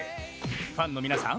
ファンの皆さん